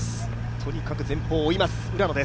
とにかく前方を追います浦野です。